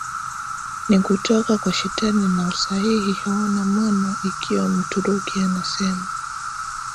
ni kutoka kwa shetani na usahihi hauna maana Ikiwa Mturuki anasema